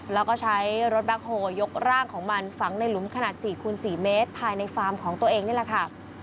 แล้วก็ใช้รถแบ็คโฮยกร่างของมันฝังในหลุมขนาด๔คูณ๔เมตรภายในฟาร์มของตัวเองนี่แหละค่ะ